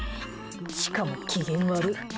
しかも機嫌悪っ。